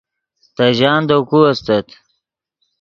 تے ژان دے کوئے استت